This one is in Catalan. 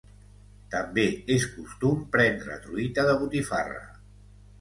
També és costum prendre truita de botifarra.